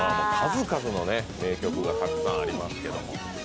数々の名曲がたくさんありますけれども。